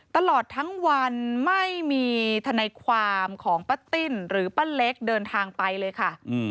ตลอดทั้งวันไม่มีทนายความของป้าติ้นหรือป้าเล็กเดินทางไปเลยค่ะ